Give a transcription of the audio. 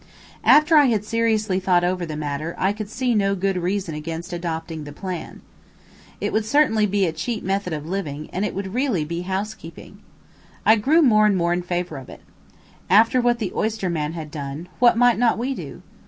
After I had seriously thought over the matter, I could see no good reason against adopting this plan. It would certainly be a cheap method of living, and it would really be housekeeping. I grew more and more in favor of it. After what the oyster man had done, what might not we do?